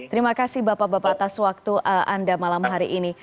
terima kasih bapak bapak atas waktu anda malam hari ini